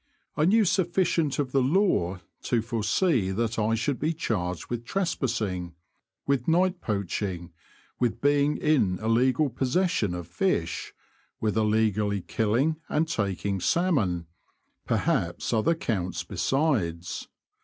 I knew sufficient of the law to forsee that I should be charged with tres passing ; with night poaching ; with being in illegal possession of fish ; with illegally killing and taking salmon ; perhaps other counts besides.